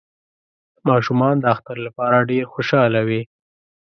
ماشومان د اختر لپاره ډیر خوشحاله وی